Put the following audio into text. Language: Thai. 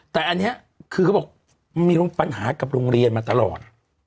แต่อันนี้คือเขาบอกมีปัญหากับโรงเรียนมาตลอด